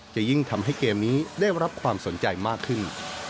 จะยิ่งทำให้เกมนี้ได้รับความสนใจมากขึ้น